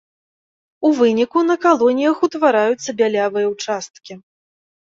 У выніку на калоніях утвараюцца бялявыя ўчасткі.